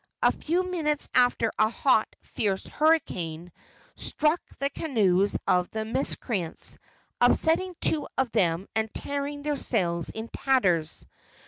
A few minutes after a hot, fierce hurricane struck the canoes of the miscreants, upsetting two of them and tearing their sails in tatters.